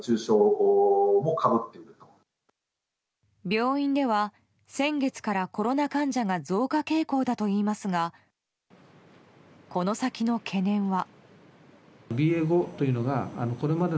病院では先月からコロナ患者が増加傾向だといいますがこの先の懸念は。